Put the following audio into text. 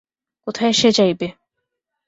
কোথায় সে যাইবে?